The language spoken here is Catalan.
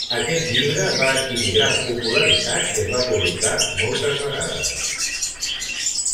Aquest llibre va adquirir gran popularitat i es va publicar moltes vegades.